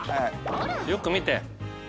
よく見て。